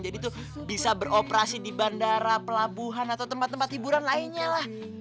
jadi tuh bisa beroperasi di bandara pelabuhan atau tempat tempat hiburan lainnya lah